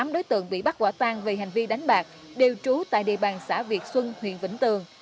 tám đối tượng bị bắt quả tang về hành vi đánh bạc đều trú tại địa bàn xã việt xuân huyện vĩnh tường